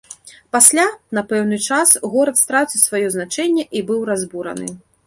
Пасля, на пэўны час, горад страціў сваё значэнне і быў разбураны.